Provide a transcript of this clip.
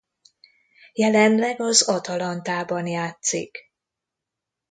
Jelenleg az Atalanta-ban játszik.